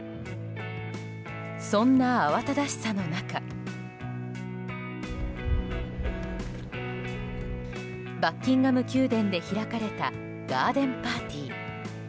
そんな慌ただしさの中バッキンガム宮殿で開かれたガーデンパーティー。